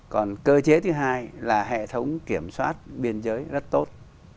còn cơ chế thứ hai là hệ thống kiểm soát biên giới rất tốt